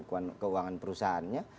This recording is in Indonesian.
untuk pembukaan keuangan perusahaannya